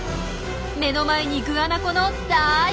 目の前にグアナコの大チャンス！